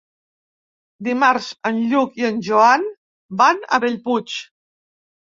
Dimarts en Lluc i en Joan van a Bellpuig.